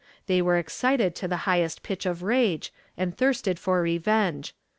They were excited to the highest pitch of rage, and thirsted for revenge.